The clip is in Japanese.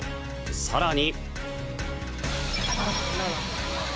更に。